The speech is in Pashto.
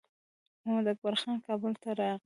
محمداکبر خان کابل ته راغی.